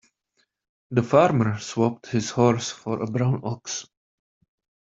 The farmer swapped his horse for a brown ox.